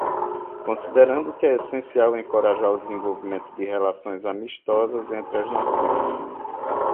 Considerando que é essencial encorajar o desenvolvimento de relações amistosas entre as nações;